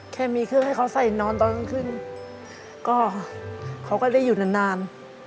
แค่มีเครื่องให้เขาใส่นอนตอนกลางคืนก็เขาก็ได้อยู่นานนาน